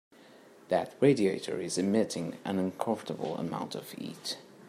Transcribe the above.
That radiator is emitting an uncomfortable amount of heat.